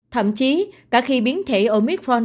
thậm chí cả khi biến thể omicron